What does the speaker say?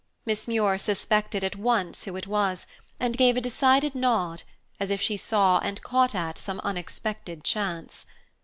Miss Muir suspected at once who it was, and gave a decided nod, as if she saw and caught at some unexpected chance.